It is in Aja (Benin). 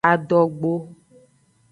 Adogbo.